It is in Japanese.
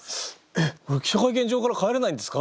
えっ記者会見場から帰れないんですか？